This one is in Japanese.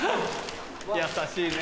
優しいね。